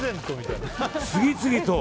次々と。